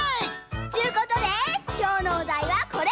ちゅうことできょうのおだいはこれ！